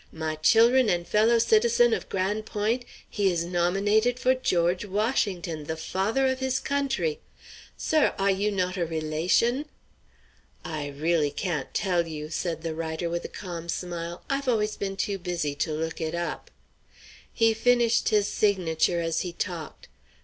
My chil'run and fellow citizen' of Gran' Point', he is nominated for George Washington, the father of his country! Sir, ah you not a relation?" "I really can't tell you," said the writer, with a calm smile. "I've always been too busy to look it up." He finished his signature as he talked.